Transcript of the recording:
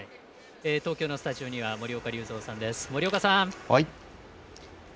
東京のスタジオには森岡隆三さんです。